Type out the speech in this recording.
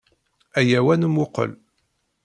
Ayaw ad nmuqel.